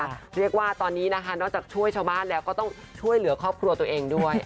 เรียกว่าตอนนี้นะคะนอกจากช่วยชาวบ้านแล้วก็ต้องช่วยเหลือครอบครัวตัวเองด้วย